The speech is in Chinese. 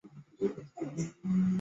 微睡眠和许多疾病关联。